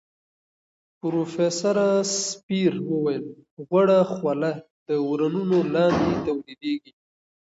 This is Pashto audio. پروفیسوره سپېر وویل غوړه خوله د ورنونو لاندې تولیدېږي.